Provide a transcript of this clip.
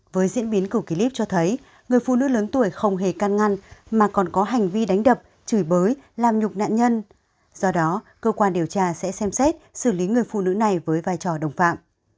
với diễn biến của clip cho thấy người phụ nữ lớn tuổi không hề can ngăn mà còn có hành vi đánh đập chửi bới làm nhục nạn nhân do đó cơ quan điều tra sẽ xem xét xử lý người phụ nữ này với vai trò đồng phạm